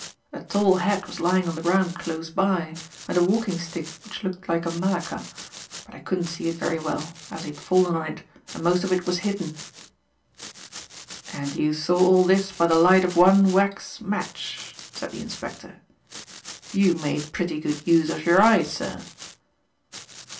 A tall hat was lying on the ground close by and a walking stick which looked like a malacca, but I couldn't see it very well as he had fallen on it and most of it was hidden." "And you saw all this by the light of one wax match," said the inspector. "You made pretty good use of your eyes, sir."